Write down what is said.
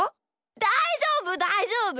だいじょうぶだいじょうぶ！